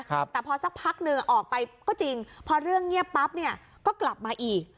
แต่พอสักพักหนึ่งออกไปก็จริงพอเรื่องเงียบปั๊บเนี่ยก็กลับมาอีก